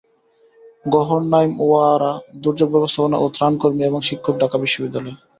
গওহর নঈম ওয়ারা দুর্যোগ ব্যবস্থাপনা ও ত্রাণকর্মী এবং শিক্ষক, ঢাকা বিশ্ববিদ্যালয়।